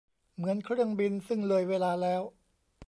เหมือนเครื่องบินซึ่งเลยเวลาแล้ว